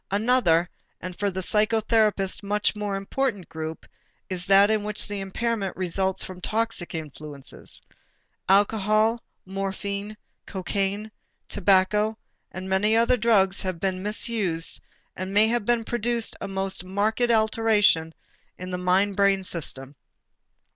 Another and for the psychotherapist much more important group is that in which the impairment results from toxic influences. Alcohol, morphine, cocaine, tobacco, and many other drugs may have been misused and may have produced a most marked alteration in the mind brain system.